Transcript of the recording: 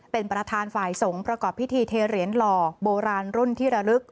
เป็นประธานฝ่ายสงฆ์ประกอบพิธีเทเหรียญหล่อโบราณรุ่นที่ระลึก